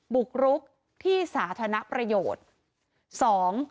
บุกรุกที่สาธารณประโยชน์